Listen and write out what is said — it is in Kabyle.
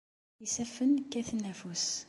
Isaffen kkaten afus.